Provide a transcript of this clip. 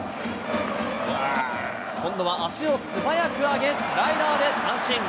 今度は足を素早く上げ、スライダーで三振。